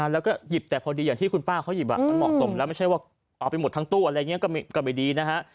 แล้วก็หยิบแต่พอดีอย่างที่คุณป้าเขาหยิบมันเหมาะสมแล้วไม่ใช่ว่าเอาไปหมดทั้งตู้อะไรอย่างนี้ก็ไม่ดีนะฮะ